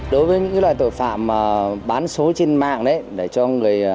đối với những loài tội phạm bán số trên mạng đấy